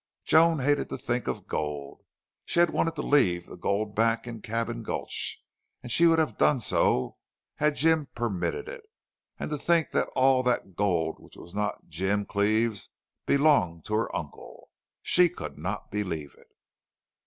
Joan hated to think of gold. She had wanted to leave the gold back in Cabin Gulch, and she would have done so had Jim permitted it. And to think that all that gold which was not Jim Cleve's belonged to her uncle! She could not believe it.